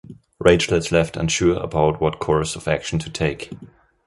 Rachel is left unsure about what course of action to take.